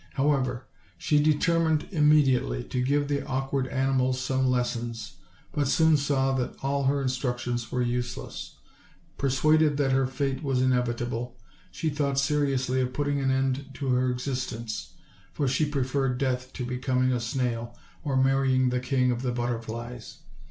However, she determined immediately to give the awk ward animals some lessons, but soon saw that all her instructions were useless. Persuaded that her fate was inevitable, she thought seriously of putting an end to her existence, for she preferred death to becoming a snail, or marrying the King of the Butterflies.